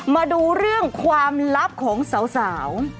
มาดูเรื่องความลับของสาว